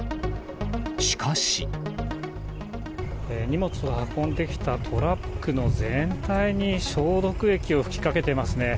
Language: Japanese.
荷物を運んできたトラックの全体に、消毒液を吹きかけていますね。